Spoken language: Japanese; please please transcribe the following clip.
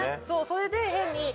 そうそれで変に。